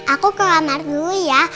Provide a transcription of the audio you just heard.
aku ke kamar dulu ya